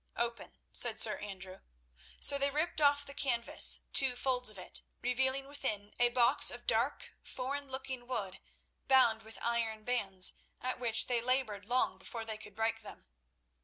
"Open," said Sir Andrew. So they ripped off the canvas, two folds of it, revealing within a box of dark, foreign looking wood bound with iron bands, at which they laboured long before they could break them.